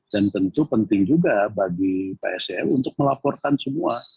dan tentu penting juga bagi pak sel untuk melaporkan semua